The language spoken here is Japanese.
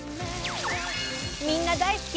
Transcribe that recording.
みんな大好き！